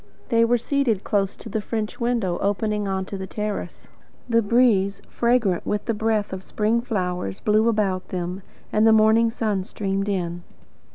They were seated close to the French window opening on to the terrace; the breeze, fragrant with the breath of spring flowers, blew about them, and the morning sun streamed in.